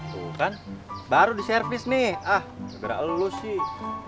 tuh kan baru diservis nih ah gara gara lu sih